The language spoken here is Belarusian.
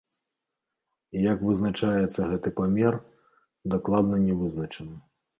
І як вызначаецца гэты памер, дакладна не вызначана.